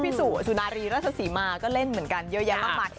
พี่สุนารีรัฐศิมาก็เล่นเหมือนกันเยอะแยะมาก